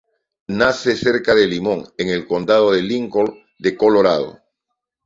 Nace cerca de Limón, en el Condado de Lincoln de Colorado.